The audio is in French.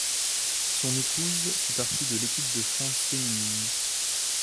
Son épouse fit partie de l'équipe de France féminine.